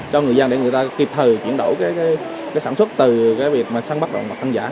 cho người dân để người ta kịp thời chuyển đổi sản xuất từ sân bắt đồn hoặc thanh giả